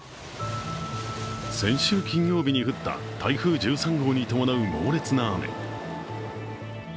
先週金曜日に降った台風１３号に伴う猛烈な雨。